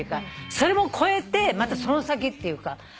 それも越えてまたその先っていうか。